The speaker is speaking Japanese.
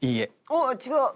あっ違う！